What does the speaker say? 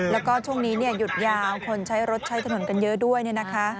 แล้วก็ช่วงนี้หยุดยาวคนใช้รถใช้ถนนกันเยอะด้วยเนี่ยนะคะ